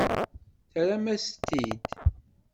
Terram-as-t-id.